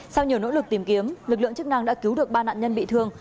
sau nhiều nỗ lực tìm kiếm lực lượng chức năng đã cứu được ba nạn nhân bị thương